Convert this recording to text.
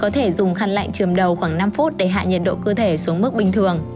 thì hạ nhiệt độ cơ thể xuống mức bình thường